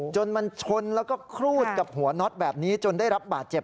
จนมันชนแล้วก็ครูดกับหัวน็อตแบบนี้จนได้รับบาดเจ็บ